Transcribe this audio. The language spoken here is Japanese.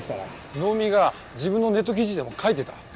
能見が自分のネット記事でも書いてた。